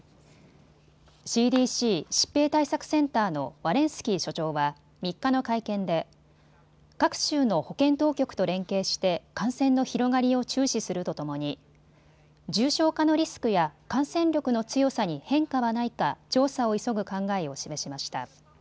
ＣＤＣ・疾病対策センターのワレンスキー所長は３日の会見で各州の保健当局と連携して感染の広がりを注視するとともに重症化のリスクや感染力の強さに変化はないか調査を急ぐ考えを示しました。